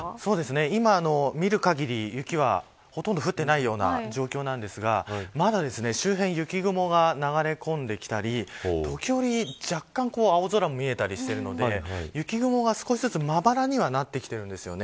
今、見るかぎり雪はほとんど降っていないような状況ですがまだ周辺雪雲が流れ込んできたり時折、若干青空も見えたりしているので雪雲が少しずつまばらにはなってきてるんですね。